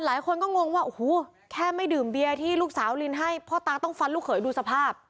หลายคนก็งงว่าโอ้โหแค่ไม่ดื่มเบียร์ที่ลูกสาวลินให้พ่อตาต้องฟันลูกเขยดูสภาพ